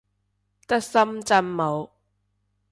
得深圳冇